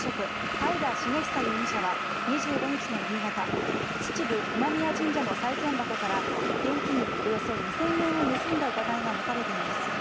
平重壽容疑者は２５日の夕方秩父今宮神社のさい銭箱から現金およそ２０００円を盗んだ疑いが持たれています。